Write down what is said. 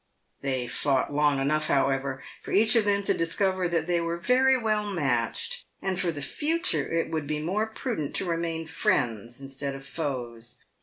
They fought long enough, however, for each of them to discover that they were very well matched, and for the future it would be more prudent to remain friends instead of foes.